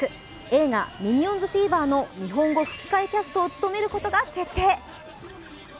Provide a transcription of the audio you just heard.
映画「ミニオンズフィーバー」の日本語吹き替えキャストを務めることが決定。